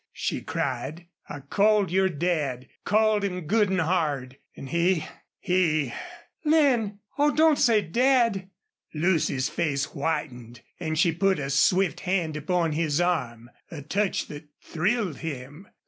she cried. "I called your dad called him good an' hard an' he he " "Lin! Oh, don't say Dad." Lucy's face whitened and she put a swift hand upon his arm a touch that thrilled him.